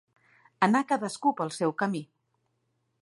Anar cadascú pel seu camí.